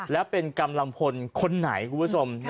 และเป็นกำลังพลคนไหนคุณผู้ชม